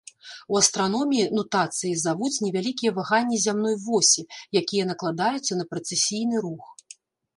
У астраноміі нутацыяй завуць невялікія ваганні зямной восі, якія накладаюцца на прэцэсійны рух.